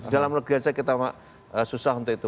dalam negara kita susah untuk itu